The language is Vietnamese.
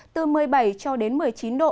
từ một mươi bảy cho đến một mươi chín độ